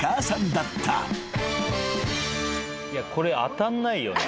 これ当たんないよね。